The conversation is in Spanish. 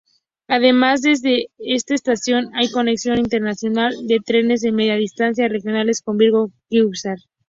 Además desde esta estación hay conexión internacional de trenes de media distancia-regionales con Vigo-Guixar.